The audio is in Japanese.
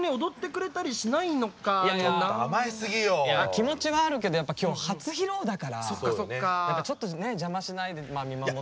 気持ちはあるけどやっぱ今日初披露だからやっぱちょっと邪魔しないで見守って。